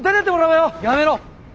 やめろ！